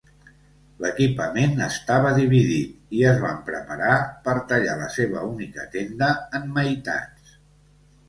L'equipament estava dividit, i es van preparar per tallar la seva única tenda en meitats.